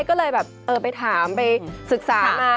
ก็เลยแบบเออไปถามไปศึกษามา